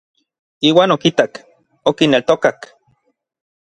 Iuan okitak, okineltokak.